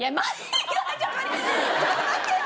ちょっと待ってよ！